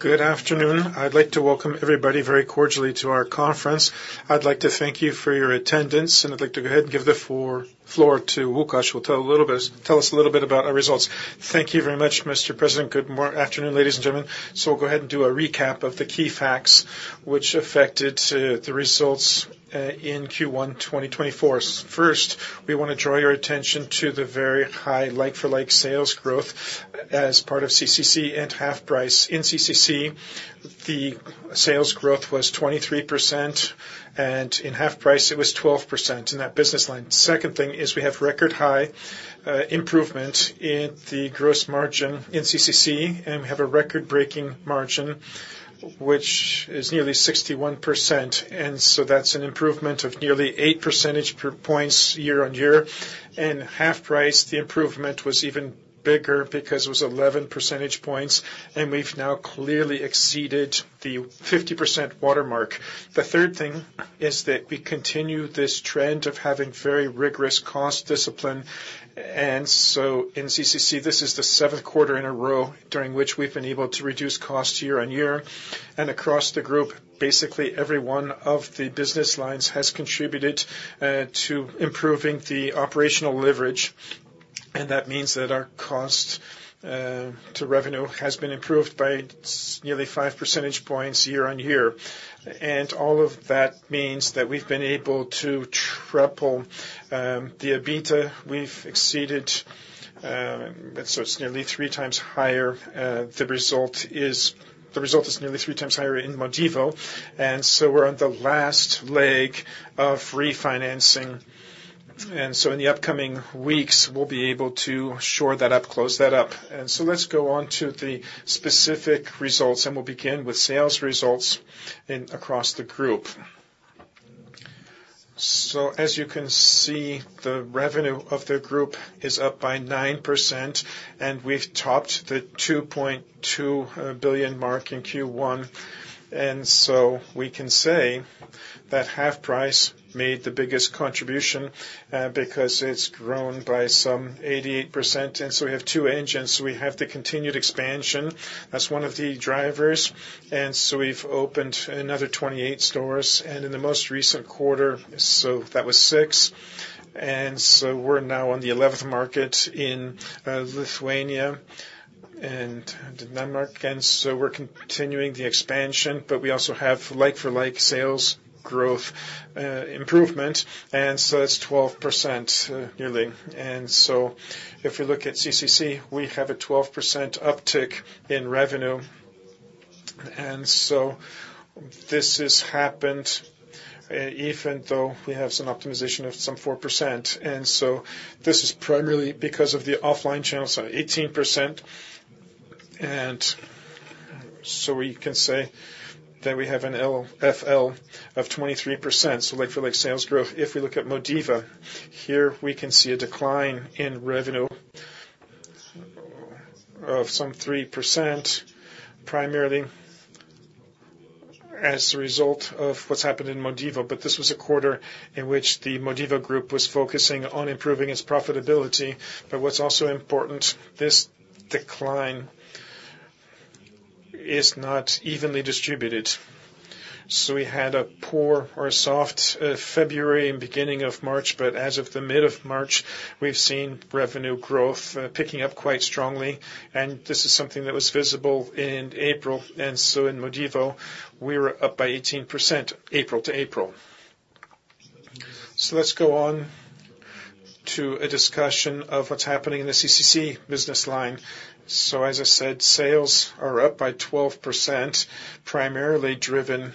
Good afternoon. I'd like to welcome everybody very cordially to our conference. I'd like to thank you for your attendance, and I'd like to go ahead and give the floor to Łukasz. He'll tell us a little bit about our results. Thank you very much, Mr. President. Good afternoon, ladies and gentlemen. So we'll go ahead and do a recap of the key facts which affected the results in Q1 2024. First, we want to draw your attention to the very high like-for-like sales growth as part of CCC and HalfPrice. In CCC, the sales growth was 23%, and in HalfPrice, it was 12% in that business line. Second thing is we have record-high improvement in the gross margin in CCC, and we have a record-breaking margin which is nearly 61%. So that's an improvement of nearly 8 percentage points year-on-year. In HalfPrice, the improvement was even bigger because it was 11 percentage points, and we've now clearly exceeded the 50% watermark. The third thing is that we continue this trend of having very rigorous cost discipline. So in CCC, this is the seventh quarter in a row during which we've been able to reduce cost year-on-year. Across the group, basically every one of the business lines has contributed to improving the operational leverage. That means that our cost to revenue has been improved by nearly 5 percentage points year-on-year. All of that means that we've been able to triple the EBITDA. We've exceeded and so it's nearly three times higher. The result is the result is nearly three times higher in Modivo. So we're on the last leg of refinancing. In the upcoming weeks, we'll be able to shore that up, close that up. So let's go on to the specific results, and we'll begin with sales results across the group. So as you can see, the revenue of the group is up by 9%, and we've topped the 2.2 billion mark in Q1. So we can say that HalfPrice made the biggest contribution because it's grown by some 88%. So we have two engines. We have the continued expansion. That's one of the drivers. So we've opened another 28 stores. And in the most recent quarter so that was 6. So we're now on the 11th market in Lithuania and Denmark. So we're continuing the expansion, but we also have like-for-like sales growth improvement. So that's 12% nearly. If we look at CCC, we have a 12% uptick in revenue. This has happened even though we have some optimization of some 4%. This is primarily because of the offline channels, so 18%. We can say that we have an LFL of 23%. So like-for-like sales growth. If we look at Modivo, here we can see a decline in revenue of some 3% primarily as a result of what's happened in Modivo. But this was a quarter in which the Modivo group was focusing on improving its profitability. But what's also important, this decline is not evenly distributed. We had a poor or a soft February and beginning of March, but as of the mid of March, we've seen revenue growth picking up quite strongly. This is something that was visible in April. And so in Modivo, we were up by 18% April to April. So let's go on to a discussion of what's happening in the CCC business line. So as I said, sales are up by 12%, primarily driven by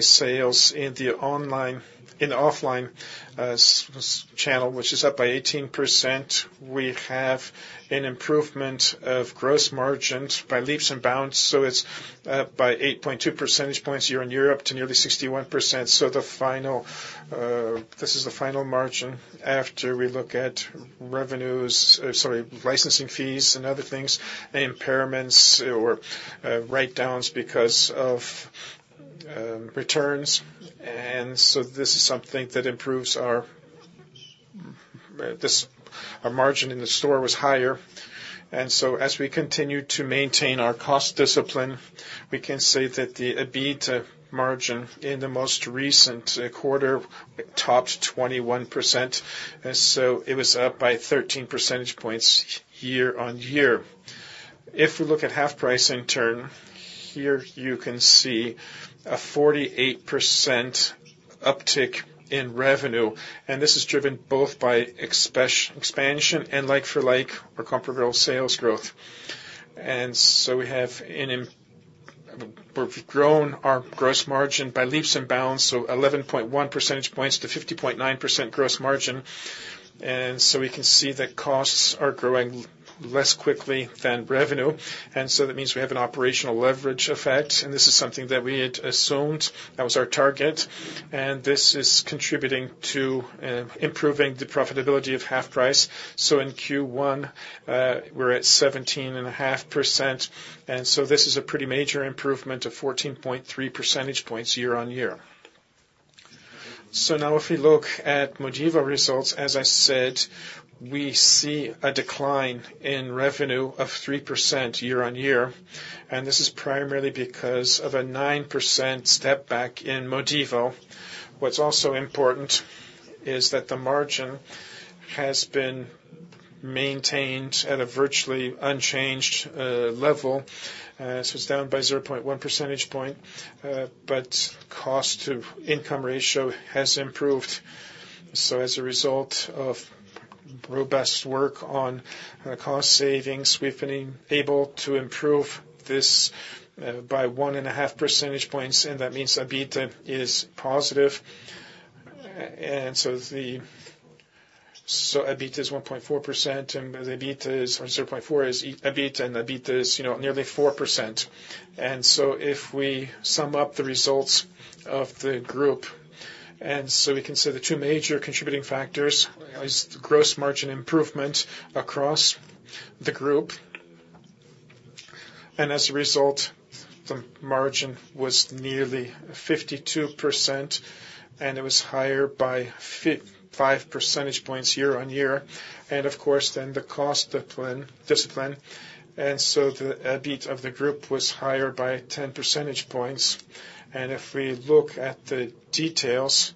sales in the online -- in the offline channel, which is up by 18%. We have an improvement of gross margins by leaps and bounds. So it's up by 8.2 percentage points year-on-year, up to nearly 61%. So this is the final margin after we look at revenues, sorry, licensing fees and other things, impairments, or write-downs because of returns. And so this is something that improves our margin in the store was higher. And so as we continue to maintain our cost discipline, we can say that the EBITDA margin in the most recent quarter topped 21%. It was up by 13 percentage points year-over-year. If we look at HalfPrice, in turn, here you can see a 48% uptick in revenue. This is driven both by expansion and like-for-like or comparable sales growth. We've grown our gross margin by leaps and bounds, so 11.1 percentage points to 50.9% gross margin. We can see that costs are growing less quickly than revenue. That means we have an operational leverage effect. This is something that we had assumed. That was our target. This is contributing to improving the profitability of HalfPrice. So in Q1, we're at 17.5%. This is a pretty major improvement of 14.3 percentage points year-over-year. So now if we look at Modivo results, as I said, we see a decline in revenue of 3% year-on-year. And this is primarily because of a 9% step back in Modivo. What's also important is that the margin has been maintained at a virtually unchanged level. So it's down by 0.1 percentage point, but cost-to-income ratio has improved. So as a result of robust work on cost savings, we've been able to improve this by 1.5 percentage points. And that means EBITDA is positive. And so EBITDA is 1.4%, and the EBITDA is or 0.4% is EBITDA, and EBITDA is, you know, nearly 4%. And so if we sum up the results of the group, we can say the two major contributing factors is gross margin improvement across the group. As a result, the margin was nearly 52%, and it was higher by 5 percentage points year-on-year. Of course, then the cost discipline. So the EBITDA of the group was higher by 10 percentage points. If we look at the details,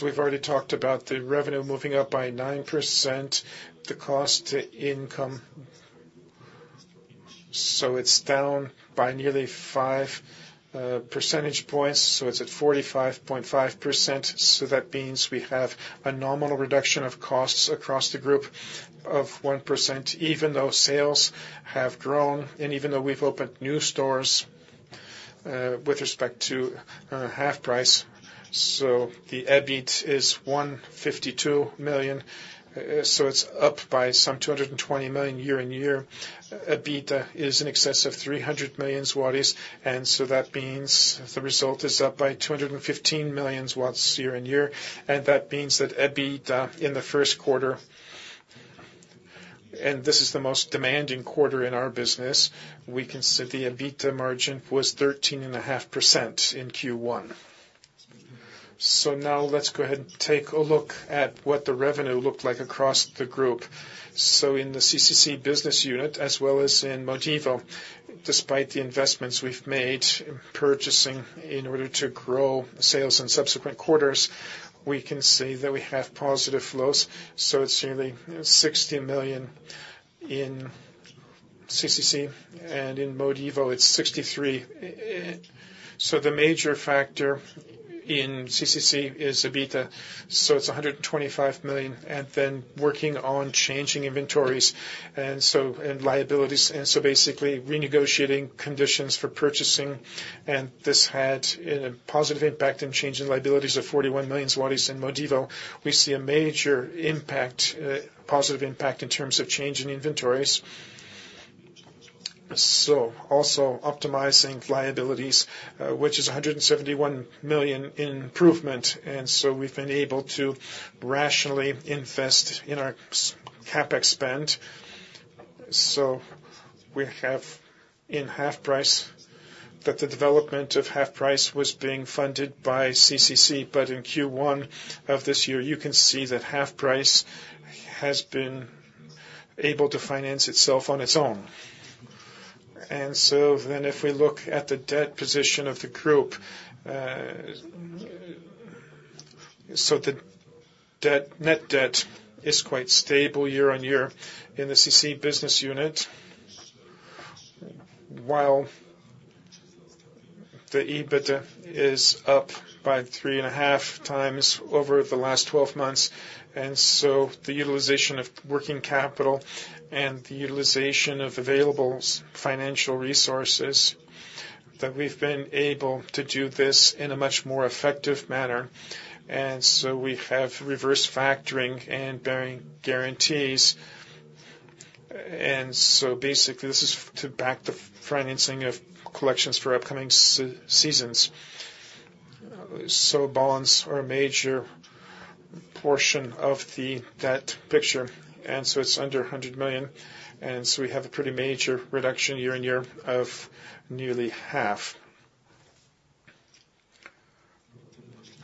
we've already talked about the revenue moving up by 9%, the cost-to-income so it's down by nearly 5 percentage points. So it's at 45.5%. So that means we have a nominal reduction of costs across the group of 1% even though sales have grown and even though we've opened new stores with respect to HalfPrice. So the EBITDA is 152 million. So it's up by some 220 million year-on-year. EBITDA is in excess of 300 million zlotys. So that means the result is up by 215 million year-on-year. That means that EBITDA in the first quarter and this is the most demanding quarter in our business. We can say the EBITDA margin was 13.5% in Q1. Now let's go ahead and take a look at what the revenue looked like across the group. In the CCC business unit as well as in Modivo, despite the investments we've made purchasing in order to grow sales in subsequent quarters, we can see that we have positive flows. It's nearly 60 million in CCC. And in Modivo, it's 63 million. The major factor in CCC is EBITDA. It's 125 million. And then working on changing inventories and so and liabilities. Basically renegotiating conditions for purchasing. And this had a positive impact in change in liabilities of 41 million zlotys in Modivo. We see a major impact, positive impact in terms of change in inventories. So also optimizing liabilities, which is a 171 million improvement. And so we've been able to rationally invest in our CapEx spend. So we have in HalfPrice that the development of HalfPrice was being funded by CCC. But in Q1 of this year, you can see that HalfPrice has been able to finance itself on its own. And so then if we look at the debt position of the group so the debt net debt is quite stable year-on-year in the CCC business unit while the EBITDA is up by 3.5 times over the last 12 months. And so the utilization of working capital and the utilization of available financial resources that we've been able to do this in a much more effective manner. And so we have Reverse Factoring and bank guarantees. And so basically, this is to back the financing of collections for upcoming seasons. So bonds are a major portion of the debt picture. And so it's under 100 million. And so we have a pretty major reduction year-on-year of nearly half.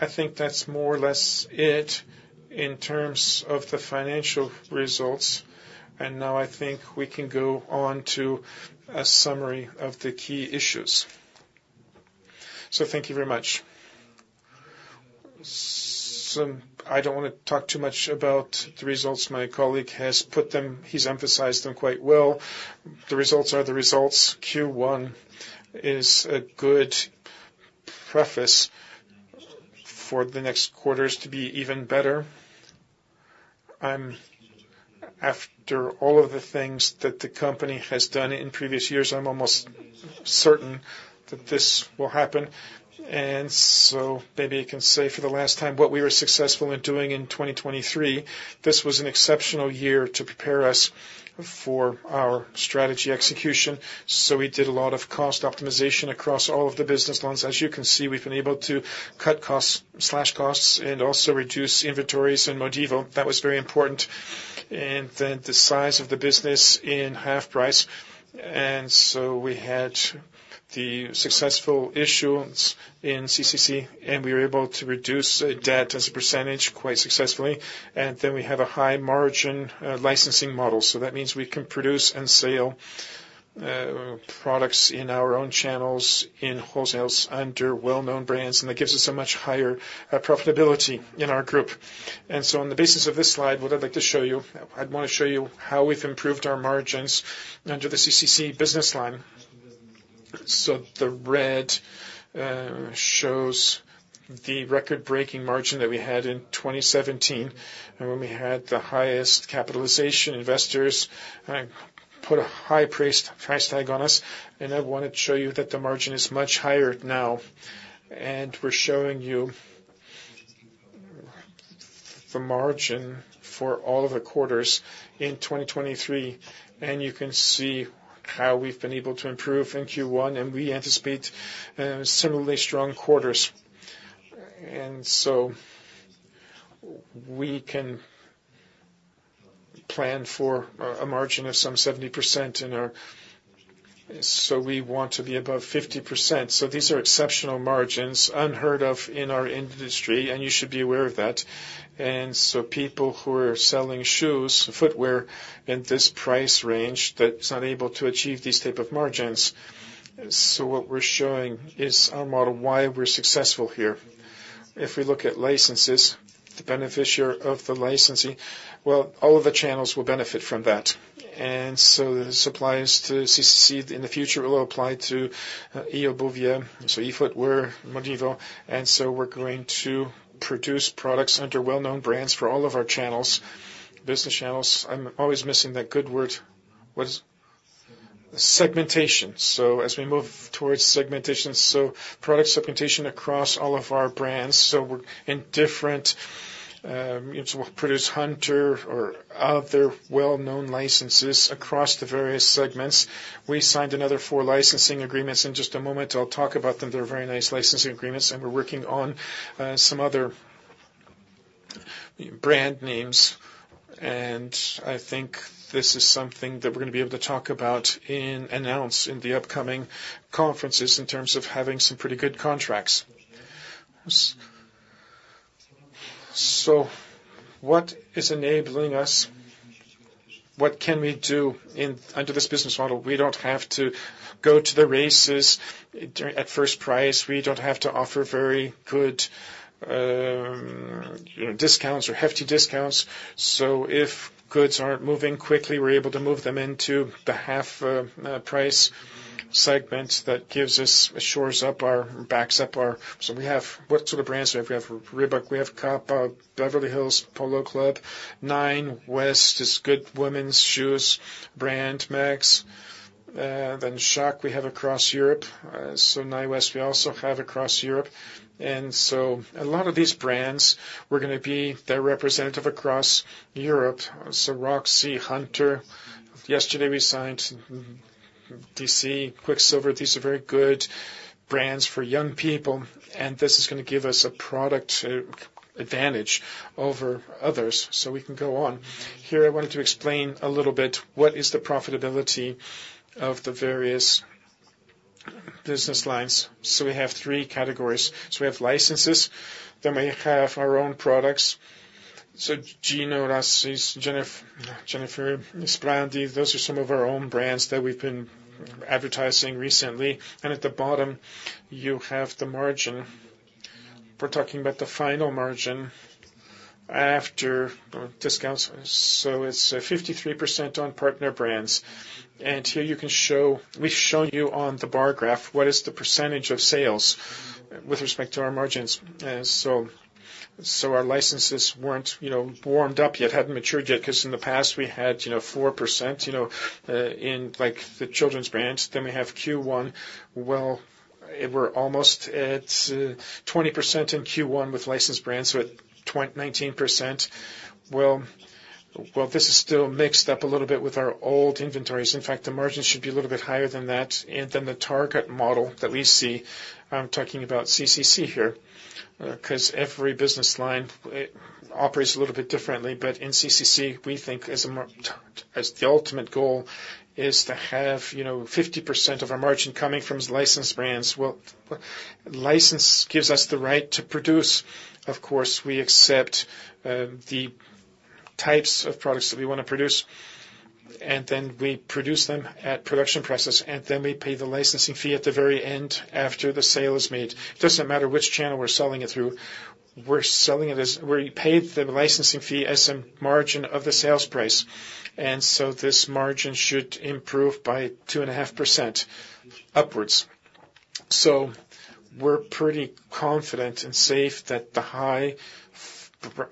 I think that's more or less it in terms of the financial results. And now I think we can go on to a summary of the key issues. So thank you very much. So I don't want to talk too much about the results. My colleague has put them. He's emphasized them quite well. The results are the results. Q1 is a good preface for the next quarters to be even better. I'm after all of the things that the company has done in previous years. I'm almost certain that this will happen. Maybe I can say for the last time what we were successful in doing in 2023. This was an exceptional year to prepare us for our strategy execution. So we did a lot of cost optimization across all of the business lines. As you can see, we've been able to cut costs and also reduce inventories in Modivo. That was very important. And then the size of the business in HalfPrice. And so we had the successful issues in CCC, and we were able to reduce debt as a percentage quite successfully. And then we have a high margin licensing model. So that means we can produce and sell products in our own channels in wholesale under well-known brands. And that gives us a much higher profitability in our group. On the basis of this slide, what I'd like to show you how we've improved our margins under the CCC business line. The red shows the record-breaking margin that we had in 2017 when we had the highest capitalization. Investors put a high price tag on us. I want to show you that the margin is much higher now. We're showing you the margin for all of the quarters in 2023. You can see how we've been able to improve in Q1. We anticipate similarly strong quarters. We can plan for a margin of some 70% in our so we want to be above 50%. These are exceptional margins, unheard of in our industry. You should be aware of that. And so people who are selling shoes, footwear, in this price range that's not able to achieve these type of margins. So what we're showing is our model, why we're successful here. If we look at licenses, the beneficiary of the licensee well, all of the channels will benefit from that. And so this applies to CCC. In the future, it will apply to Eobuwie, so eFootwear, Modivo. And so we're going to produce products under well-known brands for all of our channels, business channels. I'm always missing that good word. What is? Segmentation. So as we move towards segmentation so product segmentation across all of our brands. So we're in different so we'll produce Hunter or other well-known licenses across the various segments. We signed another four licensing agreements in just a moment. I'll talk about them. They're very nice licensing agreements. We're working on some other brand names. I think this is something that we're going to be able to talk about and announce in the upcoming conferences in terms of having some pretty good contracts. So what is enabling us? What can we do under this business model? We don't have to go to the races at full price. We don't have to offer very good discounts or hefty discounts. So if goods aren't moving quickly, we're able to move them into the HalfPrice segment that shores up our backup. So what sort of brands do we have? We have Reebok. We have Kappa, Beverly Hills Polo Club, Nine West is good women's shoes brand, Mexx. Then SHAQ we have across Europe. So Nine West we also have across Europe. And so a lot of these brands, we're going to be their representative across Europe. So Roxy, Hunter. Yesterday, we signed DC, Quiksilver. These are very good brands for young people. And this is going to give us a product advantage over others. So we can go on. Here, I wanted to explain a little bit what is the profitability of the various business lines. So we have three categories. So we have licenses. Then we have our own products. So Gino Rossi, Jenny Fairy, Sprandi. Those are some of our own brands that we've been advertising recently. And at the bottom, you have the margin. We're talking about the final margin after discounts. So it's 53% on partner brands. And here, you can show we've shown you on the bar graph what is the percentage of sales with respect to our margins. So our licenses weren't, you know, warmed up yet, hadn't matured yet because in the past, we had, you know, 4%, you know, in like the children's brands. Then we have Q1. Well, we're almost at 20% in Q1 with licensed brands. We're at 19%. Well, this is still mixed up a little bit with our old inventories. In fact, the margin should be a little bit higher than that. And then the target model that we see. I'm talking about CCC here because every business line operates a little bit differently. But in CCC, we think as the ultimate goal is to have, you know, 50% of our margin coming from licensed brands. Well, license gives us the right to produce. Of course, we accept the types of products that we want to produce. And then we produce them at production process. Then we pay the licensing fee at the very end after the sale is made. It doesn't matter which channel we're selling it through. We're selling it as we paid the licensing fee as a margin of the sales price. This margin should improve by 2.5% upwards. We're pretty confident and safe that the high margin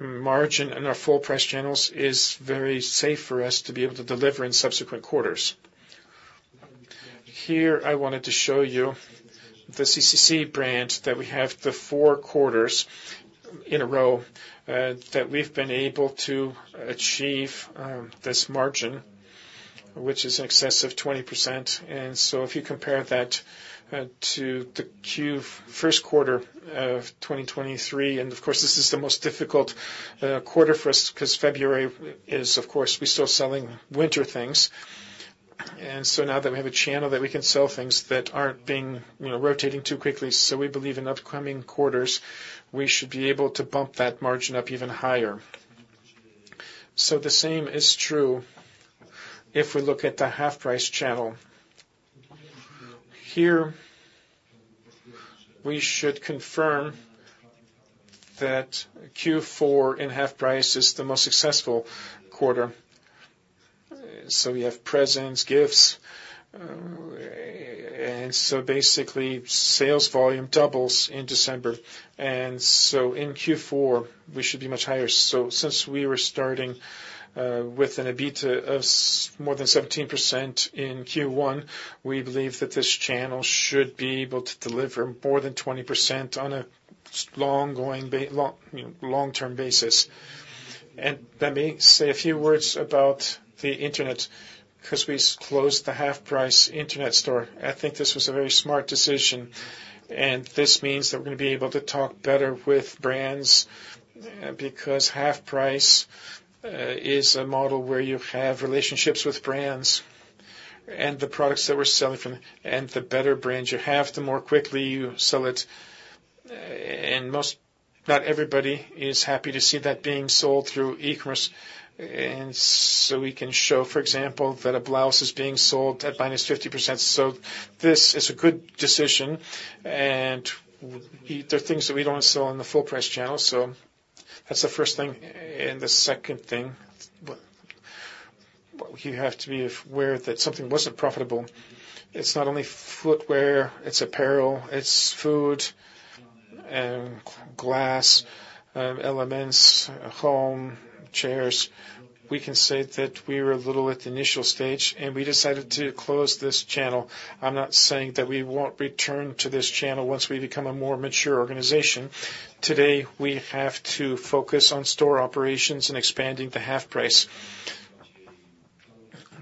in our full-price channels is very safe for us to be able to deliver in subsequent quarters. Here, I wanted to show you the CCC brand that we have the four quarters in a row that we've been able to achieve this margin, which is in excess of 20%. If you compare that to the first quarter of 2023 and, of course, this is the most difficult quarter for us because February is, of course, we're still selling winter things. And so now that we have a channel that we can sell things that aren't being, you know, rotating too quickly. So we believe in upcoming quarters, we should be able to bump that margin up even higher. So the same is true if we look at the HalfPrice channel. Here, we should confirm that Q4 in HalfPrice is the most successful quarter. So we have presents, gifts. And so basically, sales volume doubles in December. And so in Q4, we should be much higher. So since we were starting with an EBITDA of more than 17% in Q1, we believe that this channel should be able to deliver more than 20% on a long-going, long-term basis. And let me say a few words about the internet because we closed the HalfPrice internet store. I think this was a very smart decision. This means that we're going to be able to talk better with brands because HalfPrice is a model where you have relationships with brands and the products that we're selling from and the better brands you have, the more quickly you sell it. Not everybody is happy to see that being sold through e-commerce. So we can show, for example, that a blouse is being sold at -50%. This is a good decision. There are things that we don't sell in the full-price channel. That's the first thing. The second thing, you have to be aware that something wasn't profitable. It's not only footwear. It's apparel. It's food, glass, elements, home, chairs. We can say that we were a little at the initial stage, and we decided to close this channel. I'm not saying that we won't return to this channel once we become a more mature organization. Today, we have to focus on store operations and expanding the HalfPrice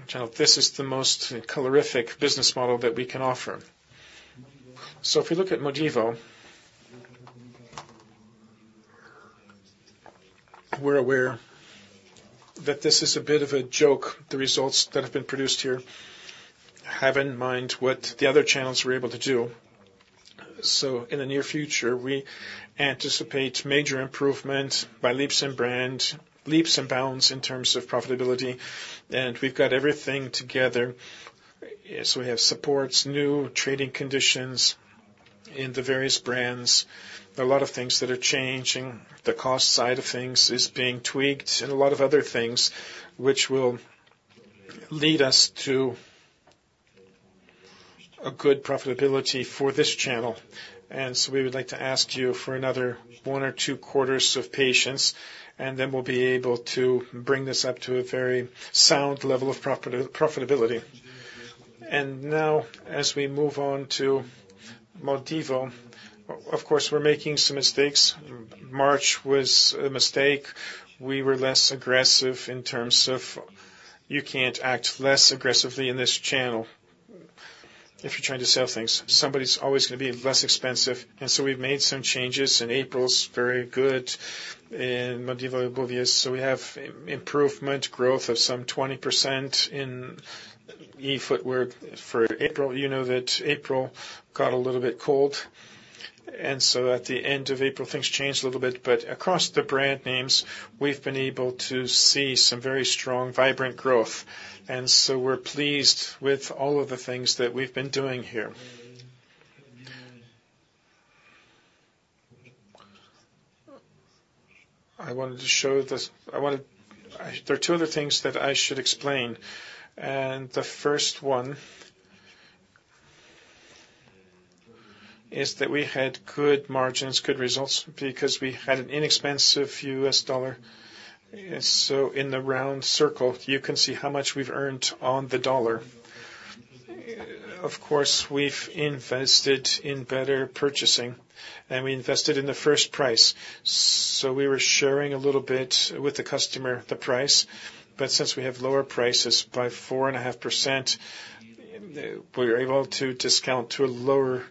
channel. This is the most colorful business model that we can offer. So if you look at Modivo, we're aware that this is a bit of a joke, the results that have been produced here, having in mind what the other channels were able to do. So in the near future, we anticipate major improvement by leaps and bounds in terms of profitability. And we've got everything together. So we have supports, new trading conditions in the various brands, a lot of things that are changing. The cost side of things is being tweaked and a lot of other things which will lead us to a good profitability for this channel. And so we would like to ask you for another one or two quarters of patience, and then we'll be able to bring this up to a very sound level of profitability. And now, as we move on to Modivo, of course, we're making some mistakes. March was a mistake. We were less aggressive in terms of you can't act less aggressively in this channel if you're trying to sell things. Somebody's always going to be less expensive. And so we've made some changes. And April's very good in Modivo and Eobuwie. So we have improvement, growth of some 20% in Eobuwie for April. You know that April got a little bit cold. And so at the end of April, things changed a little bit. But across the brand names, we've been able to see some very strong, vibrant growth. So we're pleased with all of the things that we've been doing here. There are two other things that I should explain. The first one is that we had good margins, good results because we had an inexpensive US dollar. So in the round circle, you can see how much we've earned on the dollar. Of course, we've invested in better purchasing. We invested in the first price. So we were sharing a little bit with the customer the price. But since we have lower prices by 4.5%, we were able to discount to a lower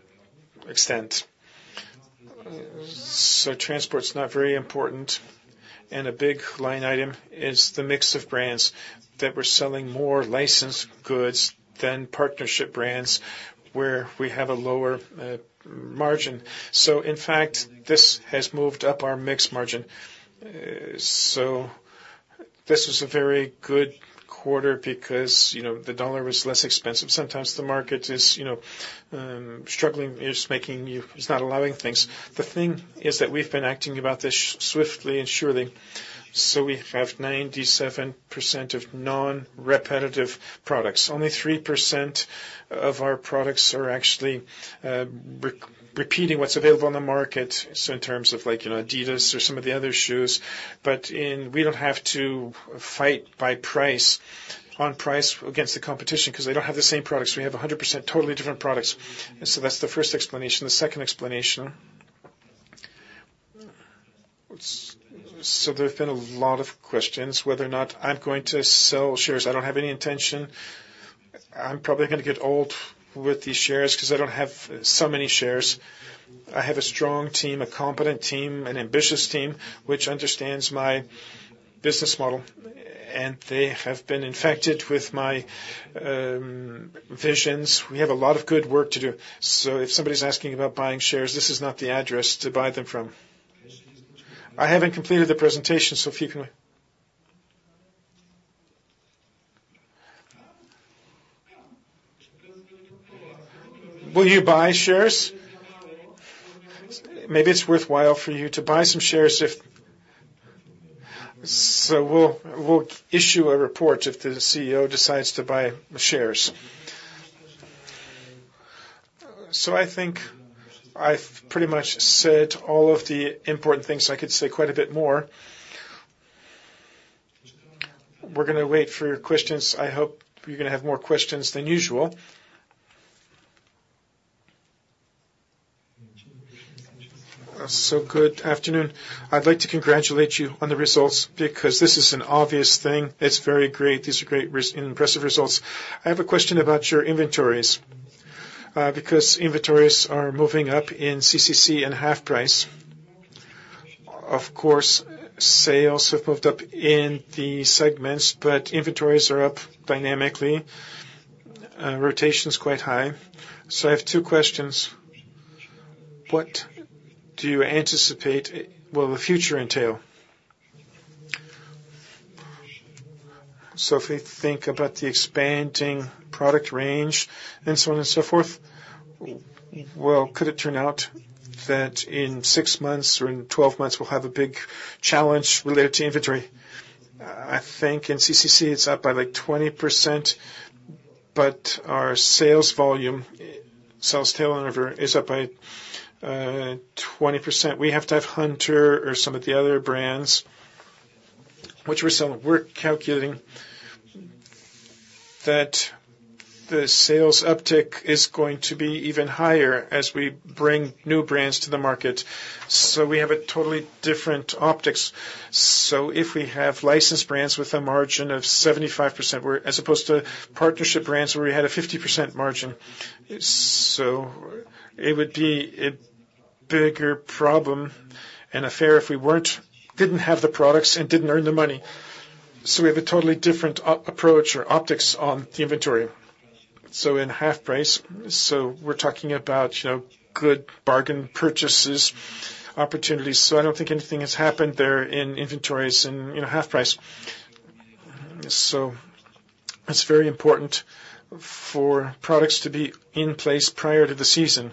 extent. So transport's not very important. A big line item is the mix of brands that we're selling more licensed goods than partnership brands where we have a lower margin. So, in fact, this has moved up our mixed margin. So this was a very good quarter because, you know, the dollar was less expensive. Sometimes, the market is, you know, struggling. It's making you it's not allowing things. The thing is that we've been acting about this swiftly and surely. So we have 97% of non-repetitive products. Only 3% of our products are actually repeating what's available in the market. So in terms of like, you know, Adidas or some of the other shoes. But we don't have to fight by price on price against the competition because they don't have the same products. We have 100% totally different products. So that's the first explanation. The second explanation so there have been a lot of questions whether or not I'm going to sell shares. I don't have any intention. I'm probably going to get old with these shares because I don't have so many shares. I have a strong team, a competent team, an ambitious team which understands my business model. They have been infected with my visions. We have a lot of good work to do. If somebody's asking about buying shares, this is not the address to buy them from. I haven't completed the presentation, so if you can will you buy shares? Maybe it's worthwhile for you to buy some shares if so we'll issue a report if the CEO decides to buy shares. I think I've pretty much said all of the important things. I could say quite a bit more. We're going to wait for your questions. I hope you're going to have more questions than usual. Good afternoon. I'd like to congratulate you on the results because this is an obvious thing. It's very great. These are great, impressive results. I have a question about your inventories because inventories are moving up in CCC and HalfPrice. Of course, sales have moved up in the segments, but inventories are up dynamically. Rotation's quite high. So I have two questions. What do you anticipate will the future entail? So if we think about the expanding product range and so on and so forth, well, could it turn out that in six months or in 12 months, we'll have a big challenge related to inventory? I think in CCC, it's up by like 20%, but our sales volume, sales turnover is up by 20%. We have to have Hunter or some of the other brands which we're selling. We're calculating that the sales uptick is going to be even higher as we bring new brands to the market. So we have a totally different optics. So if we have licensed brands with a margin of 75% as opposed to partnership brands where we had a 50% margin, so it would be a bigger problem and affair if we weren't, didn't have the products, and didn't earn the money. So we have a totally different approach or optics on the inventory. So in HalfPrice, so we're talking about, you know, good bargain purchases opportunities. So I don't think anything has happened there in inventories in, you know, HalfPrice. So it's very important for products to be in place prior to the season.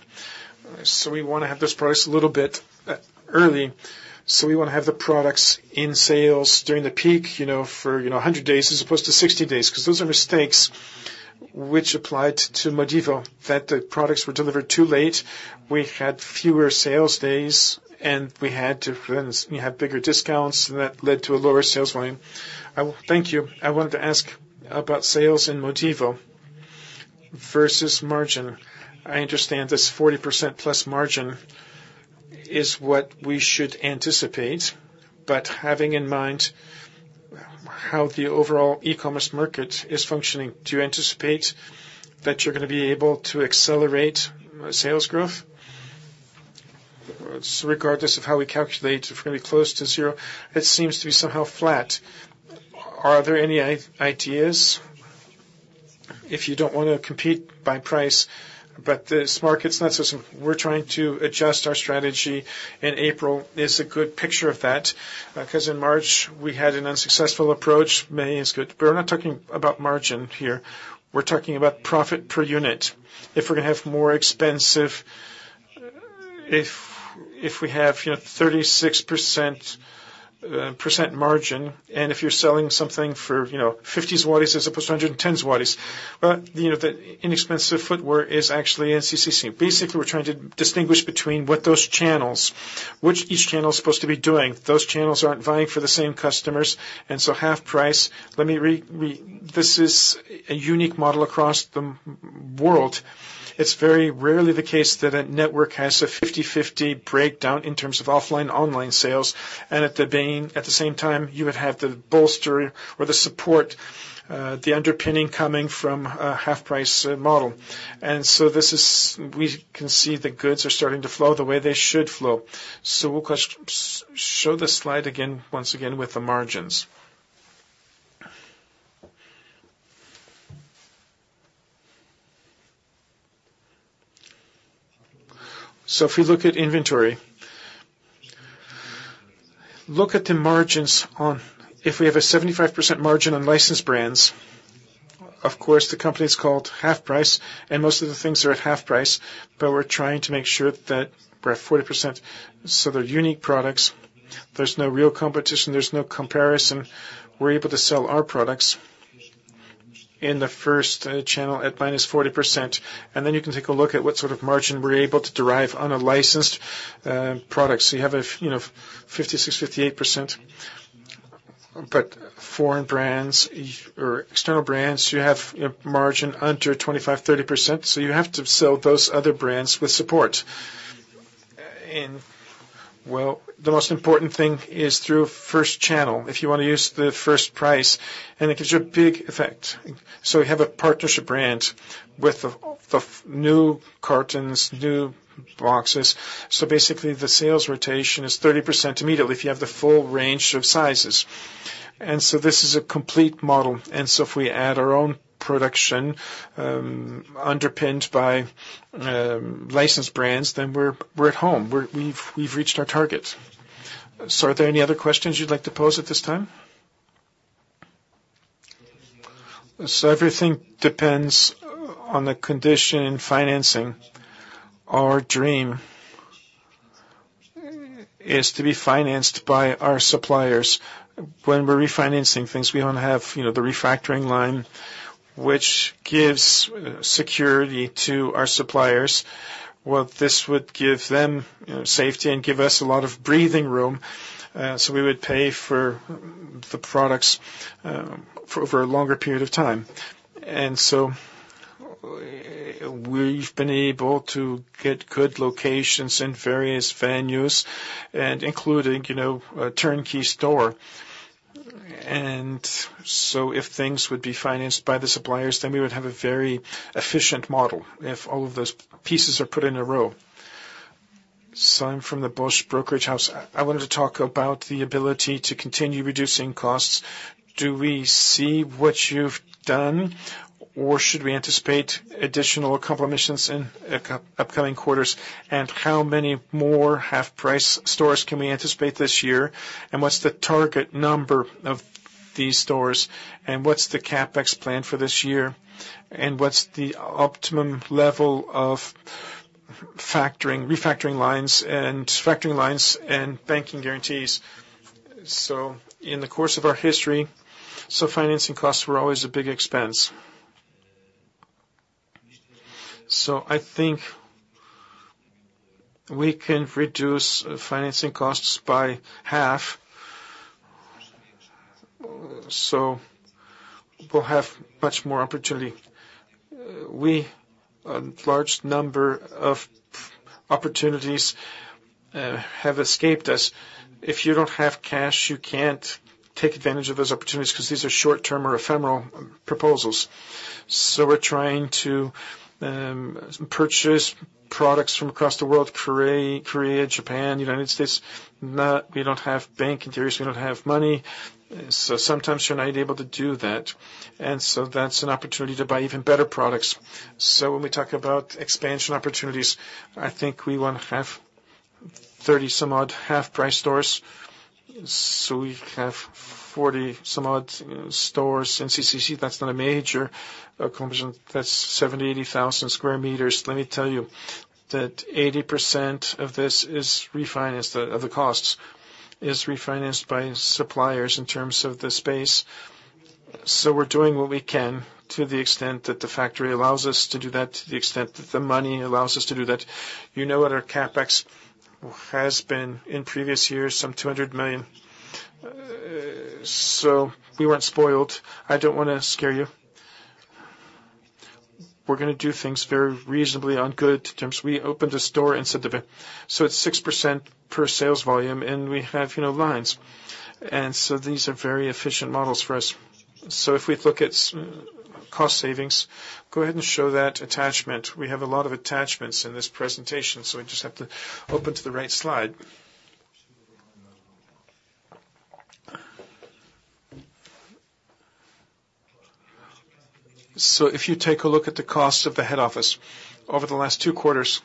So we want to have those products a little bit early. So we want to have the products in sales during the peak, you know, for, you know, 100 days as opposed to 60 days because those are mistakes which applied to Modivo that the products were delivered too late. We had fewer sales days, and we had to then have bigger discounts. That led to a lower sales volume. Thank you. I wanted to ask about sales in Modivo versus margin. I understand this 40%+ margin is what we should anticipate. But having in mind how the overall e-commerce market is functioning, do you anticipate that you're going to be able to accelerate sales growth? So regardless of how we calculate, if we're going to be close to zero, it seems to be somehow flat. Are there any ideas if you don't want to compete by price? But this market's not, so we're trying to adjust our strategy. In April is a good picture of that because in March, we had an unsuccessful approach. May is good. But we're not talking about margin here. We're talking about profit per unit. If we're going to have more expensive if we have, you know, 36% margin and if you're selling something for, you know, 50s PLN as opposed to 110s PLN, well, you know, the inexpensive footwear is actually in CCC. Basically, we're trying to distinguish between what those channels, which each channel's supposed to be doing. Those channels aren't vying for the same customers. And so HalfPrice, let me re this is a unique model across the world. It's very rarely the case that a network has a 50/50 breakdown in terms of offline/online sales. And at the same time, you would have the bolster or the support, the underpinning coming from a HalfPrice model. And so this is we can see the goods are starting to flow the way they should flow. So we'll show the slide again once again with the margins. So if we look at inventory, look at the margins on if we have a 75% margin on licensed brands, of course, the company's called HalfPrice, and most of the things are at half-price. But we're trying to make sure that we're at 40% so they're unique products. There's no real competition. There's no comparison. We're able to sell our products in the first channel at -40%. And then you can take a look at what sort of margin we're able to derive on a licensed product. So you have a, you know, 56%, 58%. But foreign brands or external brands, you have a margin under 25%, 30%. So you have to sell those other brands with support. And, well, the most important thing is through first channel if you want to use the first price. And it gives you a big effect. So you have a partnership brand with the new cartons, new boxes. So basically, the sales rotation is 30% immediately if you have the full range of sizes. And so this is a complete model. And so if we add our own production underpinned by licensed brands, then we're at home. We've reached our target. So are there any other questions you'd like to pose at this time? So everything depends on the condition and financing. Our dream is to be financed by our suppliers. When we're refinancing things, we only have, you know, the factoring line which gives security to our suppliers. Well, this would give them safety and give us a lot of breathing room. So we would pay for the products for over a longer period of time. And so we've been able to get good locations in various venues and including, you know, a turnkey store. And so if things would be financed by the suppliers, then we would have a very efficient model if all of those pieces are put in a row. So I'm from the BOŚ Brokerage House. I wanted to talk about the ability to continue reducing costs. Do we see what you've done, or should we anticipate additional accomplishments in upcoming quarters? And how many more HalfPrice stores can we anticipate this year? And what's the target number of these stores? And what's the CapEx plan for this year? And what's the optimum level of factoring, reverse factoring lines and factoring lines and bank guarantees? So in the course of our history, so financing costs were always a big expense. So I think we can reduce financing costs by half, so we'll have much more opportunity. We, a large number of opportunities, have escaped us. If you don't have cash, you can't take advantage of those opportunities because these are short-term or ephemeral proposals. So we're trying to purchase products from across the world, Korea, Japan, United States. We don't have bank guarantees. We don't have money. So sometimes, you're not able to do that. And so that's an opportunity to buy even better products. So when we talk about expansion opportunities, I think we want to have 30-some-odd HalfPrice stores. So we have 40-some-odd stores in CCC. That's not a major accomplishment. That's 70,000-80,000 square meters. Let me tell you that 80% of this is refinanced of the costs, is refinanced by suppliers in terms of the space. So we're doing what we can to the extent that the factory allows us to do that, to the extent that the money allows us to do that. You know what our CapEx has been. In previous years, some 200 million. So we weren't spoiled. I don't want to scare you. We're going to do things very reasonably on goods in terms we opened a store and said to so it's 6% per sales volume, and we have, you know, lines. And so these are very efficient models for us. So if we look at cost savings, go ahead and show that attachment. We have a lot of attachments in this presentation, so we just have to open to the right slide. So if you take a look at the cost of the head office over the last two quarters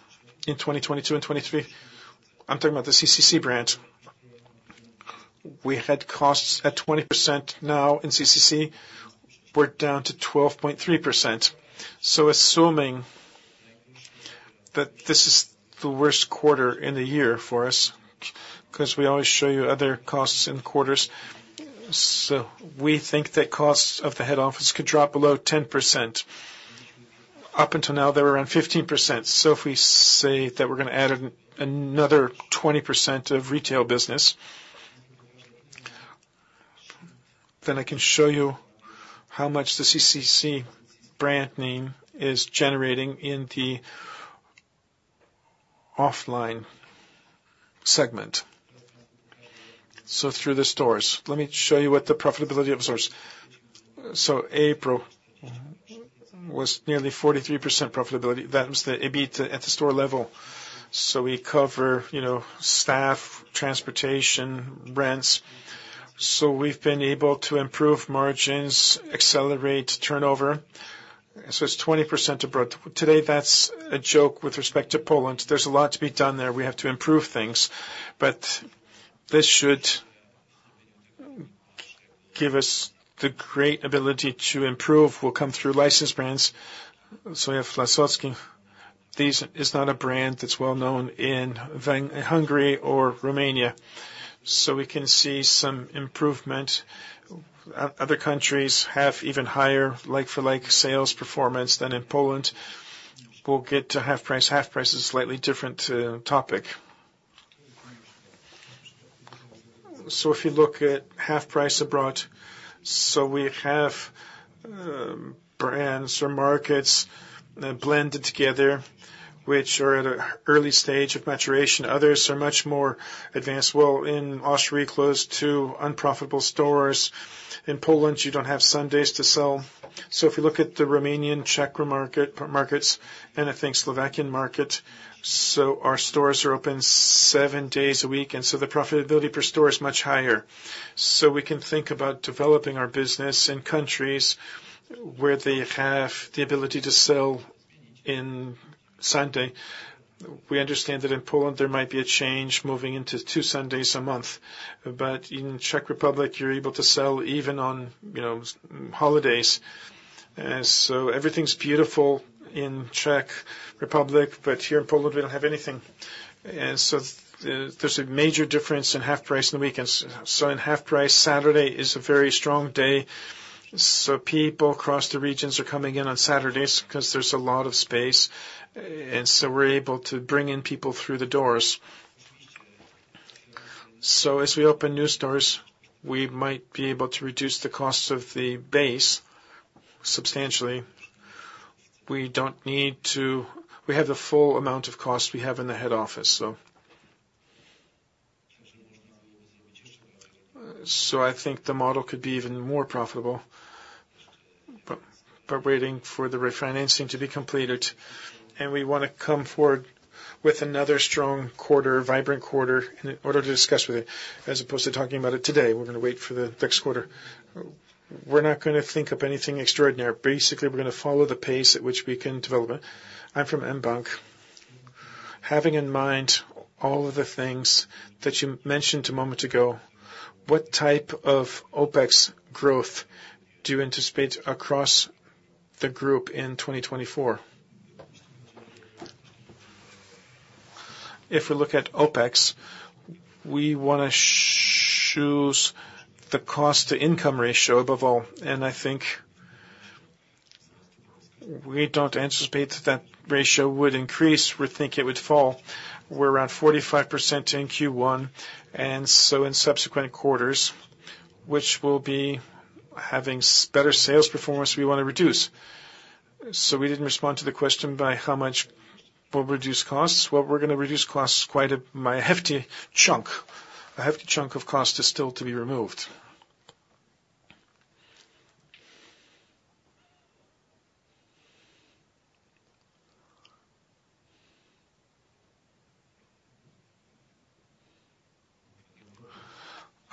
in 2022 and 2023, I'm talking about the CCC branch. We had costs at 20%. Now in CCC, we're down to 12.3%. So assuming that this is the worst quarter in the year for us because we always show you other costs in quarters, so we think that costs of the head office could drop below 10%. Up until now, they were around 15%. So if we say that we're going to add another 20% of retail business, then I can show you how much the CCC brand name is generating in the offline segment, so through the stores. Let me show you what the profitability of the stores is. So April was nearly 43% profitability. That was the EBIT at the store level. So we cover, you know, staff, transportation, rents. So we've been able to improve margins, accelerate turnover. So it's 20% abroad. Today, that's a joke with respect to Poland. There's a lot to be done there. We have to improve things. But this should give us the great ability to improve. We'll come through licensed brands. So we have Lasocki. This is not a brand that's well-known in Hungary or Romania. So we can see some improvement. Other countries have even higher like-for-like sales performance than in Poland. We'll get to HalfPrice. HalfPrice is a slightly different topic. So if you look at HalfPrice abroad, so we have brands or markets blended together which are at an early stage of maturation. Others are much more advanced. Well, in Austria, close to unprofitable stores. In Poland, you don't have Sundays to sell. So if you look at the Romanian, Czech markets, and, I think, Slovakian market, so our stores are open seven days a week. And so the profitability per store is much higher. So we can think about developing our business in countries where they have the ability to sell on Sunday. We understand that in Poland, there might be a change moving into two Sundays a month. But in Czech Republic, you're able to sell even on, you know, holidays. So everything's beautiful in Czech Republic, but here in Poland, we don't have anything. And so there's a major difference in HalfPrice and the weekends. So in HalfPrice, Saturday is a very strong day. So people across the regions are coming in on Saturdays because there's a lot of space. And so we're able to bring in people through the doors. So as we open new stores, we might be able to reduce the cost of the base substantially. We don't need to we have the full amount of costs we have in the head office, so. So I think the model could be even more profitable. But waiting for the refinancing to be completed. And we want to come forward with another strong quarter, vibrant quarter in order to discuss with it as opposed to talking about it today. We're going to wait for the next quarter. We're not going to think of anything extraordinary. Basically, we're going to follow the pace at which we can develop it. I'm from mBank. Having in mind all of the things that you mentioned a moment ago, what type of OPEX growth do you anticipate across the group in 2024? If we look at OPEX, we want to choose the cost-to-income ratio above all. And I think we don't anticipate that that ratio would increase. We think it would fall. We're around 45% in Q1, and so in subsequent quarters, which will be having better sales performance, we want to reduce. So we didn't respond to the question by how much we'll reduce costs. Well, we're going to reduce costs quite a hefty chunk. A hefty chunk of cost is still to be removed.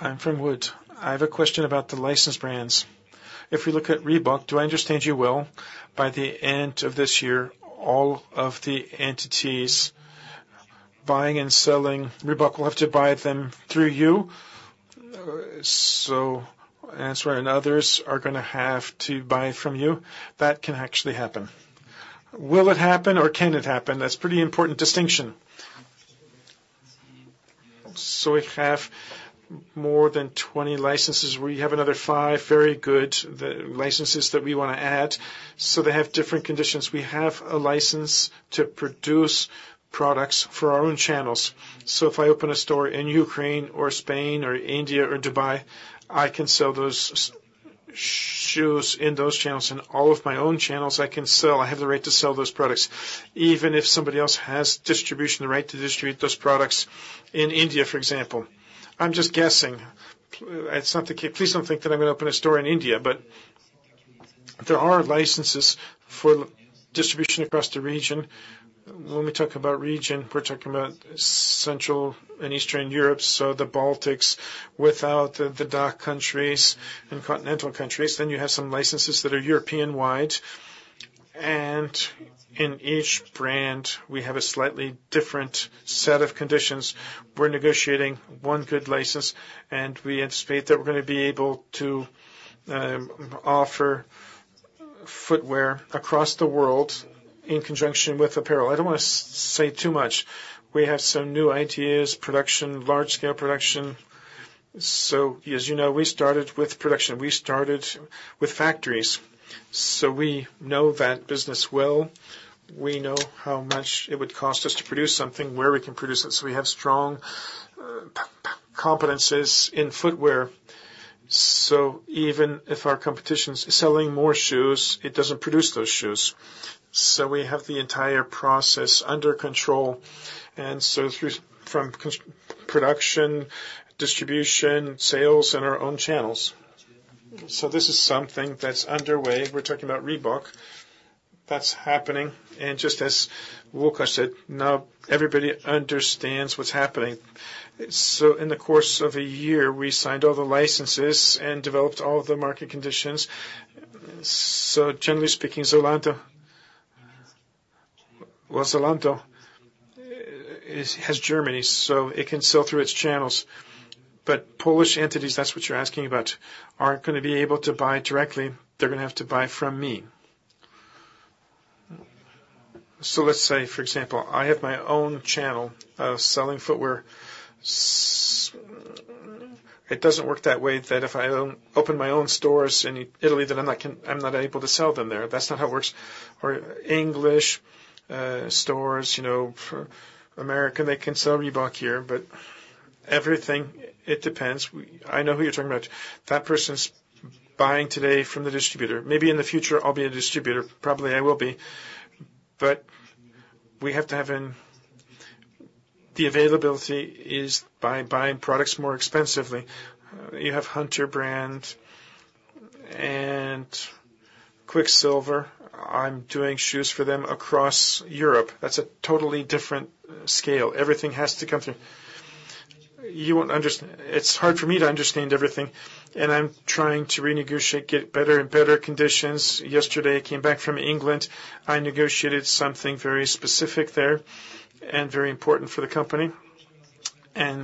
I'm from Wood. I have a question about the licensed brands. If we look at Reebok, do I understand you well? By the end of this year, all of the entities buying and selling Reebok, we'll have to buy them through you. So and sorry, and others are going to have to buy from you. That can actually happen. Will it happen, or can it happen? That's a pretty important distinction. So we have more than 20 licenses. We have another five very good licenses that we want to add. So they have different conditions. We have a license to produce products for our own channels. So if I open a store in Ukraine or Spain or India or Dubai, I can sell those shoes in those channels. In all of my own channels, I can sell. I have the right to sell those products even if somebody else has distribution, the right to distribute those products in India, for example. I'm just guessing. It's not the case. Please don't think that I'm going to open a store in India. But there are licenses for distribution across the region. When we talk about region, we're talking about Central and Eastern Europe, so the Baltics without the DACH countries and continental countries. Then you have some licenses that are European-wide. And in each brand, we have a slightly different set of conditions. We're negotiating one good license, and we anticipate that we're going to be able to offer footwear across the world in conjunction with apparel. I don't want to say too much. We have some new ideas, production, large-scale production. So as you know, we started with production. We started with factories. So we know that business well. We know how much it would cost us to produce something, where we can produce it. So we have strong competencies in footwear. So even if our competition's selling more shoes, it doesn't produce those shoes. So we have the entire process under control and so through from production, distribution, sales, and our own channels. So this is something that's underway. We're talking about Reebok. That's happening. And just as Łukasz said, now everybody understands what's happening. So in the course of a year, we signed all the licenses and developed all the market conditions. So generally speaking, Zalando. Well, Zalando has Germany, so it can sell through its channels. But Polish entities, that's what you're asking about, aren't going to be able to buy directly. They're going to have to buy from me. So let's say, for example, I have my own channel selling footwear. It doesn't work that way that if I open my own stores in Italy, that I'm not able to sell them there. That's not how it works. Or English stores, you know, American, they can sell Reebok here. But everything, it depends. I know who you're talking about. That person's buying today from the distributor. Maybe in the future, I'll be a distributor. Probably, I will be. But we have to have in the availability is by buying products more expensively. You have Hunter brand and Quiksilver. I'm doing shoes for them across Europe. That's a totally different scale. Everything has to come through. You won't understand. It's hard for me to understand everything. I'm trying to renegotiate, get better and better conditions. Yesterday, I came back from England. I negotiated something very specific there and very important for the company.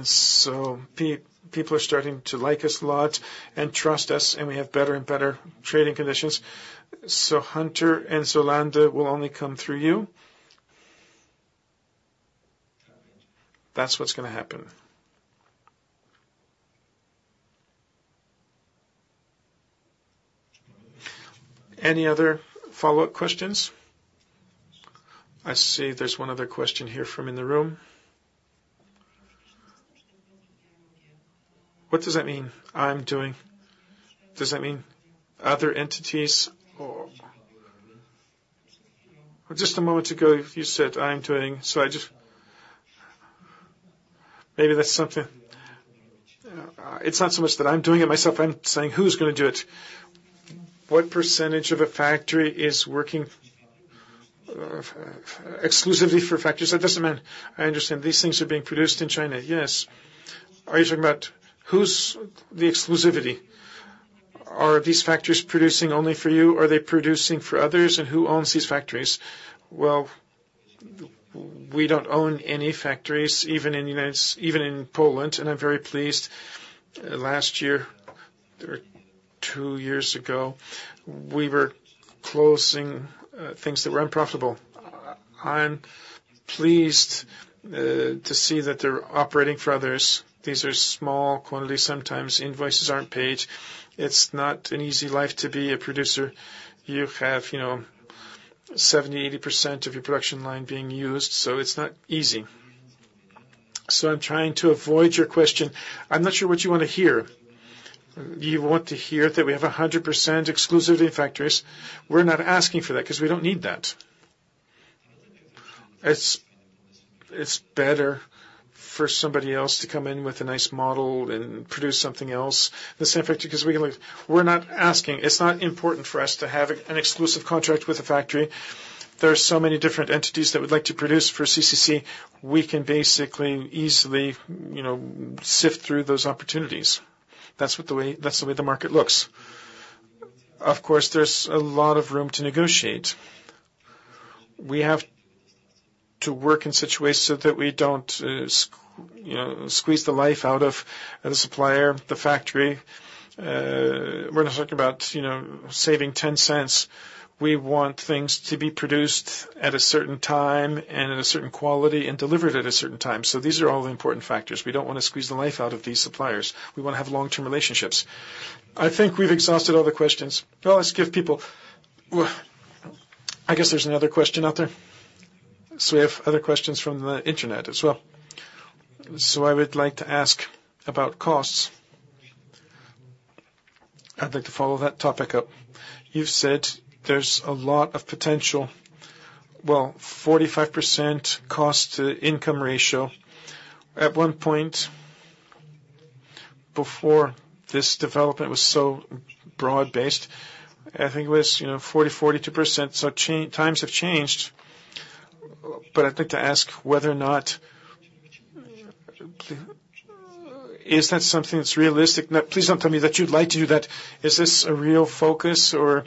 So people are starting to like us a lot and trust us, and we have better and better trading conditions. So Hunter and Zalando will only come through you. That's what's going to happen. Any other follow-up questions? I see there's one other question here from in the room. What does that mean? I'm doing. Does that mean other entities? Just a moment ago, you said, "I'm doing." So I just maybe that's something. It's not so much that I'm doing it myself. I'm saying who's going to do it. What percentage of a factory is working exclusively for factories? That doesn't mean I understand. These things are being produced in China. Yes. Are you talking about who's the exclusivity? Are these factories producing only for you, or are they producing for others, and who owns these factories? Well, we don't own any factories even in Poland. I'm very pleased. Last year or two years ago, we were closing things that were unprofitable. I'm pleased to see that they're operating for others. These are small quantities sometimes. Invoices aren't paid. It's not an easy life to be a producer. You have, you know, 70%-80% of your production line being used. So it's not easy. I'm trying to avoid your question. I'm not sure what you want to hear. You want to hear that we have 100% exclusivity in factories. We're not asking for that because we don't need that. It's better for somebody else to come in with a nice model and produce something else. The same factory because we can look. We're not asking. It's not important for us to have an exclusive contract with a factory. There are so many different entities that would like to produce for CCC. We can basically easily, you know, sift through those opportunities. That's the way the market looks. Of course, there's a lot of room to negotiate. We have to work in situations so that we don't, you know, squeeze the life out of the supplier, the factory. We're not talking about, you know, saving 10 cents. We want things to be produced at a certain time and at a certain quality and delivered at a certain time. So these are all the important factors. We don't want to squeeze the life out of these suppliers. We want to have long-term relationships. I think we've exhausted all the questions. Well, let's give people. I guess there's another question out there. So we have other questions from the internet as well. So I would like to ask about costs. I'd like to follow that topic up. You've said there's a lot of potential. Well, 45% cost-to-income ratio. At one point, before this development was so broad-based, I think it was, you know, 40%-42%. So times have changed. But I'd like to ask whether or not is that something that's realistic? Please don't tell me that you'd like to do that. Is this a real focus, or